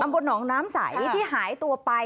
บนหนองน้ำใสที่หายตัวไป